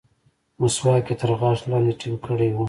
مسواک يې تر غاښ لاندې ټينګ کړى و.